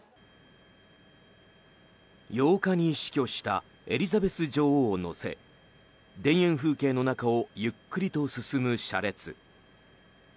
８日に死去したエリザベス女王を乗せ田園風景の中をゆっくりと進む車列。